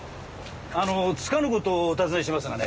あのつかぬ事をお尋ねしますがね